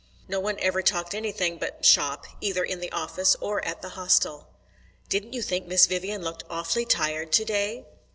No one ever talked anything but "shop," either in the office or at the Hostel. "Didn't you think Miss Vivian looked awfully tired today?"